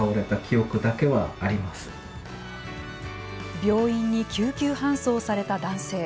病院に救急搬送された男性。